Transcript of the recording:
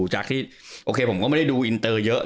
จากที่โอเคผมก็ไม่ได้ดูอินเตอร์เยอะ